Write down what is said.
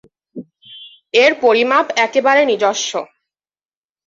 এর পরিমাপ একেবারে নিজস্ব।